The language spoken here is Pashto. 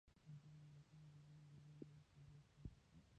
ملګري ملتونه د دویمې جګړې نه وروسته جوړ شول.